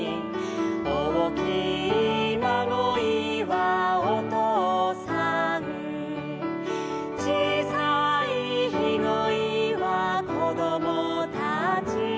「おおきいまごいはおとうさん」「ちいさいひごいはこどもたち」